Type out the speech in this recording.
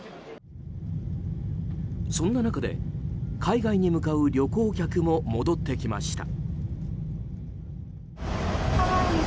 そんな中で、海外に向かう旅行客も戻ってきました。